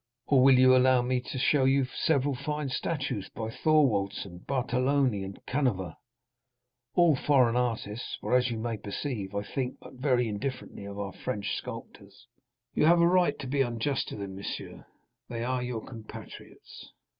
"Or will you allow me to show you several fine statues by Thorwaldsen, Bartoloni, and Canova?—all foreign artists, for, as you may perceive, I think but very indifferently of our French sculptors." "You have a right to be unjust to them, monsieur; they are your compatriots."